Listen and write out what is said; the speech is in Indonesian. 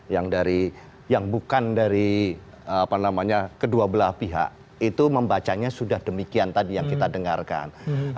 yang dari yang bukan dari kedua belah pihak itu membacanya sudah demikian tadi yang kita dengarkan